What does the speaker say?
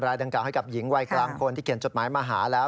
ดังกล่าให้กับหญิงวัยกลางคนที่เขียนจดหมายมาหาแล้ว